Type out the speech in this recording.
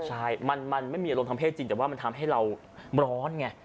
ใช่มันไม่มีอารมณ์ทางเพศจริงแต่ว่ามันทำให้เราร้อนไง